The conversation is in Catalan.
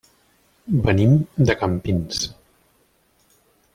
Venim de Campins.